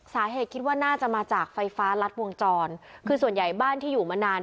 สาเหตุคิดว่าน่าจะมาจากไฟฟ้ารัดวงจรคือส่วนใหญ่บ้านที่อยู่มานาน